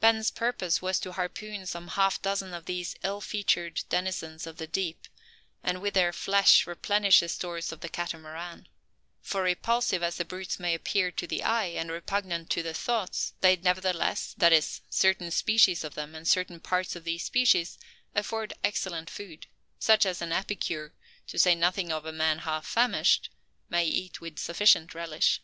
Ben's purpose was to harpoon some half dozen of these ill featured denizens of the deep, and with their flesh replenish the stores of the Catamaran; for repulsive as the brutes may appear to the eye, and repugnant to the thoughts, they nevertheless, that is, certain species of them, and certain parts of these species, afford excellent food: such as an epicure, to say nothing of a man half famished, may eat with sufficient relish.